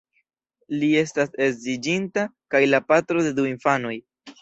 Li estas edziĝinta, kaj la patro de du infanoj.